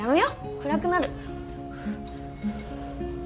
暗くなる。